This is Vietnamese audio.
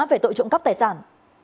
về tội trộm cắp tài sản